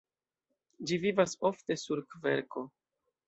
Ĝi vivas ofte sur kverko.